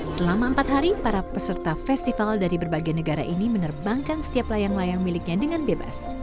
selama empat hari para peserta festival dari berbagai negara ini menerbangkan setiap layang layang miliknya dengan bebas